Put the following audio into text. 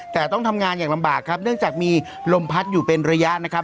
แต่ต้องทำงานอย่างลำบากครับเนื่องจากมีลมพัดอยู่เป็นระยะนะครับ